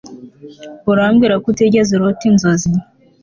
Urambwira ko utigeze urota inzozi